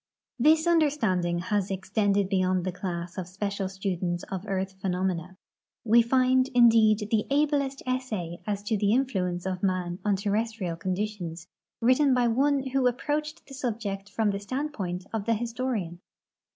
This understanding has extended beyond the class of special students of earth phenomena. M"e find, indeed, the ablest essay as to the influence of man on ter restrial conditions written by one who approached the subject from the standpoint of the historian.